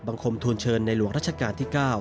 คมทูลเชิญในหลวงรัชกาลที่๙